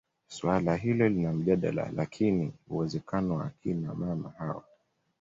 Suala hilo lina mjadala lakini uwezekano wa akina mama hao